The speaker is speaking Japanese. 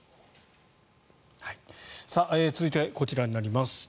続いて、こちらになります。